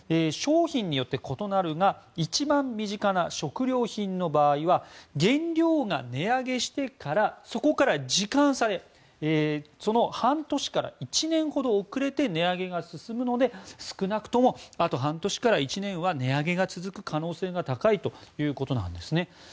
商品によって異なるが一番身近な食料品の場合は原料が値上げしてからそこから時間差で半年から１年ほど遅れて値上げが進むので少なくともあと半年から１年は値上げが続く可能性が高いということなんですね。